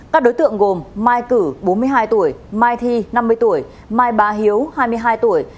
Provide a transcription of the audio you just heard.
các đối tượng gồm mai cử bốn mươi hai tuổi mai thi năm mươi tuổi mai bà hiếu hai mươi hai tuổi